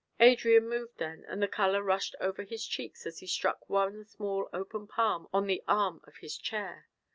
Adrian moved then, and the color rushed over his cheeks as he struck one small open palm on the arm of his chair.